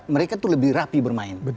mereka tuh lebih rapi bermain